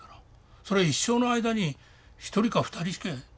それは一生の間に１人か２人死刑